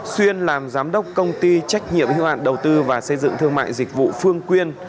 xuyên làm giám đốc công ty trách nhiệm hưu hạn đầu tư và xây dựng thương mại dịch vụ phương quyên